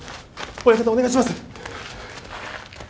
親方お願いします。